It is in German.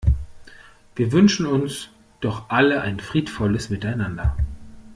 Wir wünschen uns doch alle ein friedvolles Miteinander.